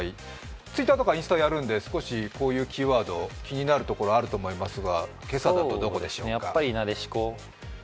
Ｔｗｉｔｔｅｒとかインスタやるんでこういうワード、気になるところ、あると思いますが今朝だとどこでしょうか。